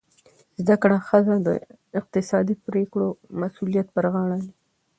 زده کړه ښځه د اقتصادي پریکړو مسؤلیت پر غاړه اخلي.